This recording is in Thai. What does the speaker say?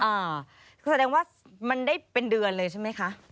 อ่าคือแสดงว่ามันได้เป็นเดือนเลยใช่ไหมคะ